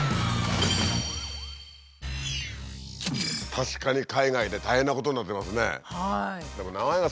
確かに海外で大変なことになってますね。